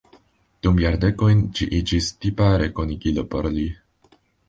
Dum jardekojn ĝi iĝis tipa rekonigilo por li.